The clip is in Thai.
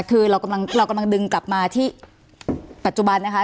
คือเรากำลังดึงกลับมาที่ปัจจุบันนะคะ